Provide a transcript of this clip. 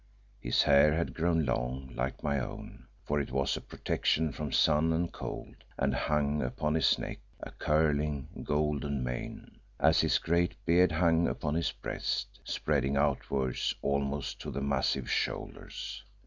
His hair had grown long, like my own, for it was a protection from sun and cold, and hung upon his neck, a curling, golden mane, as his great beard hung upon his breast, spreading outwards almost to the massive shoulders.